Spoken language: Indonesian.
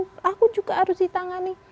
pelaku juga harus ditangani